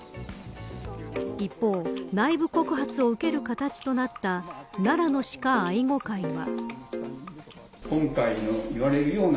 一方、内部告発を受ける形となった奈良の鹿愛護会は。